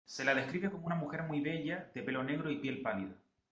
Se la describe como una mujer muy bella de pelo negro y piel pálida.